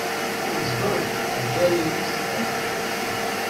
He is buried at Bellu Cemetery.